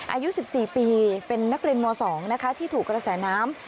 อายุ๑๔ปีเป็นนักเรียนม๒นะคะที่ถูกกระแสน้ำ